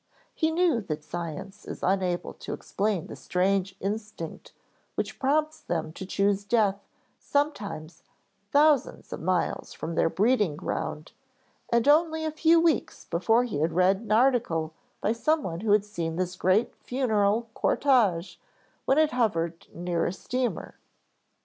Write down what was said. He knew that science is unable to explain the strange instinct which prompts them to choose death sometimes thousands of miles from their breeding ground, and only a few weeks before he had read an article by someone who had seen this great funeral cortege when it hovered near a steamer.